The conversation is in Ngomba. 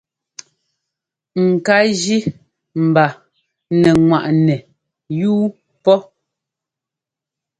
Ŋká jí mba nɛ́ ŋwaʼnɛ́ yuu pɔ́.